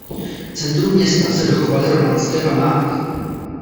V centru města se dochovaly románské památky.